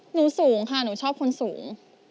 สูงค่ะหนูชอบคนสูง